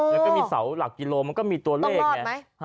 แล้วก็มีเสาหลักกิโลมันก็มีตัวเลขไง